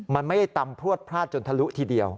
มันไม่ได้ตำพลวดพลาดจนทะลุทีเดียว